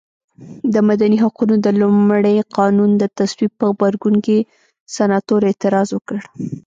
د مدني حقونو د لومړ قانون د تصویب په غبرګون کې سناتور اعتراض وکړ.